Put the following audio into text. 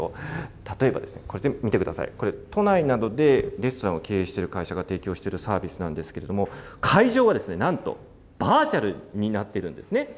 例えば、見てください、これ、都内などでレストランを経営している会社が提供しているサービスなんですけれども、会場はなんと、バーチャルになってるんですね。